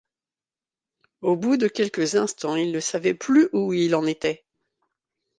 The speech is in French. Au bout de quelques instants il ne savait plus où il en était.